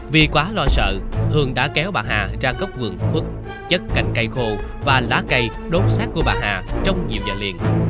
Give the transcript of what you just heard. vì quá lo sợ hường đã kéo bà hà ra cốc vườn quất chất cành cây khô và lá cây đốt sát của bà hà trong nhiều giờ liền